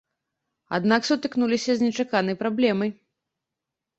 Аднак сутыкнуліся з нечаканай праблемай.